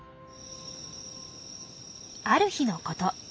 ある日のこと。